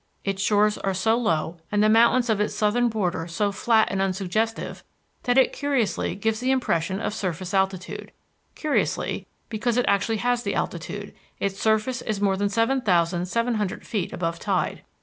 Its shores are so low and the mountains of its southern border so flat and unsuggestive that it curiously gives the impression of surface altitude curiously because it actually has the altitude; its surface is more than seven thousand seven hundred feet above tide.